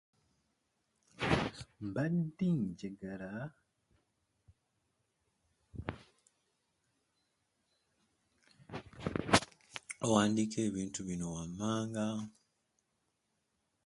She was in the silent film "Sands of Life".